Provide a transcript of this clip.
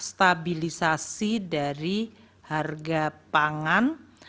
stabilisasi dari harga pangan